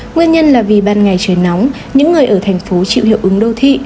nguyên nhân là vì ban ngày trời nóng những người ở thành phố chịu hiệu ứng đô thị